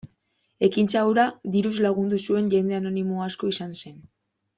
Ekintza hura diruz lagundu zuen jende anonimo asko izan zen.